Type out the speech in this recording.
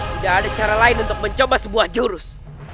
tidak ada cara lain untuk mencoba sebuah jurus